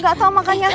gak tau makanya